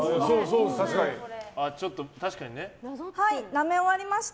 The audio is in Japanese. なめ終わりました。